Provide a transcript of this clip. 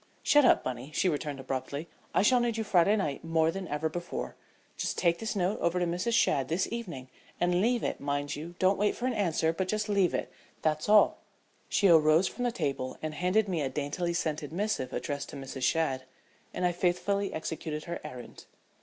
"Shut up, Bunny," she returned, abruptly. "I shall need you Friday night more than ever before. Just take this note over to Mrs. Shadd this evening and leave it mind you, don't wait for an answer but just leave it, that's all." She arose from the table and handed me a daintily scented missive addressed to Mrs. Shadd, and I faithfully executed her errand.